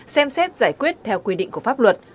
xem xét giải quyết theo quy định của pháp luật